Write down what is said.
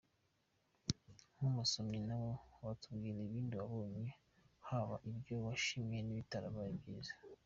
Nk’umusomyi nawe watubwira ibindi wabonye haba ibyo washimye n’ibitarabaye byiza.